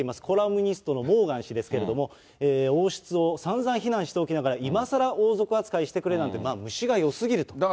コラムニストのモーガン氏ですけれども、王室をさんざん非難しておきながら、今さら王族扱いしてくれなんていうのは、虫がよすぎると。